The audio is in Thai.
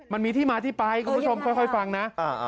มันมีที่มาที่ไปคุณผู้ชมค่อยฟังนะ